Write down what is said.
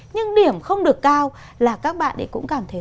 nhưng điểm không được cao là các bạn cũng cảm thấy